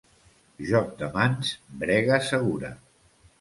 Joc de mans, brega segura.